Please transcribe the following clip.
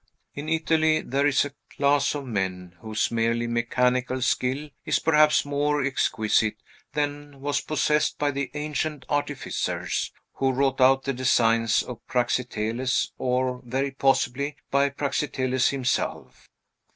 In Italy, there is a class of men whose merely mechanical skill is perhaps more exquisite than was possessed by the ancient artificers, who wrought out the designs of Praxiteles; or, very possibly, by Praxiteles himself.